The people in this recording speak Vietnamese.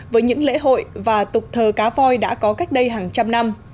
với những lễ hội và tục thờ cá voi đã có cách đây hàng trăm năm